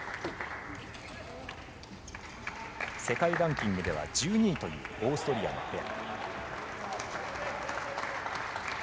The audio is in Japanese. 世界ランキングでは１２位というオーストリアのペア。